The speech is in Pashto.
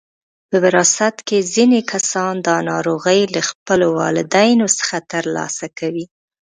په وراثت کې ځینې کسان دا ناروغي له خپلو والدینو څخه ترلاسه کوي.